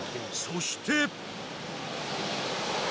そして。